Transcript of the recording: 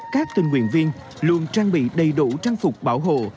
các tình nguyện viên luôn trang bị đầy đủ trang phục bảo hộ